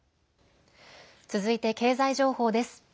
続いて経済情報です。